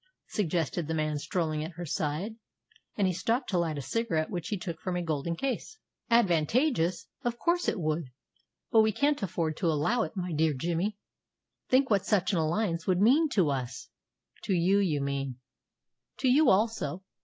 suggested the man strolling at her side, and he stopped to light a cigarette which he took from a golden case. "Advantageous! Of course it would! But we can't afford to allow it, my dear Jimmy. Think what such an alliance would mean to us!" "To you, you mean." "To you also.